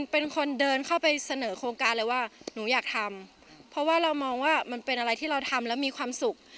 เป็นอะไรที่เราทำแล้วมีความสุข